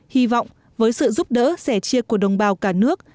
hy vọng với sự giúp đỡ sẻ chia của đồng bào cả nước